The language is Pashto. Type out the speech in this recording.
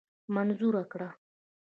منظوره کړه.